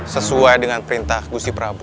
sesuai dengan perintah gusti prabu